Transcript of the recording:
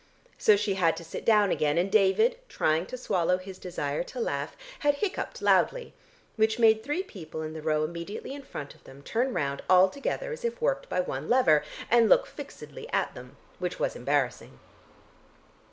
So she had to sit down again, and David, trying to swallow his desire to laugh, had hiccupped loudly, which made three people in the row immediately in front of them, turn round all together as if worked by one lever and look fixedly at them, which was embarrassing.